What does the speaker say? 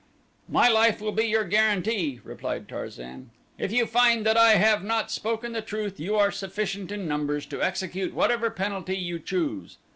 "My life will be your guarantee," replied Tarzan. "If you find that I have not spoken the truth you are sufficient in numbers to execute whatever penalty you choose.